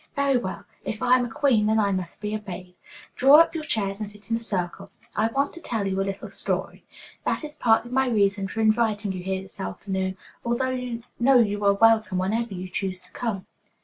"Very well, if I am queen, then I must be obeyed. Draw up your chairs and sit in a circle. I want to tell you a little story. That is partly my reason for inviting you here this afternoon, although you know you are welcome whenever you choose to come."